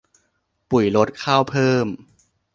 ปุ๋ยลด ข้าวเพิ่ม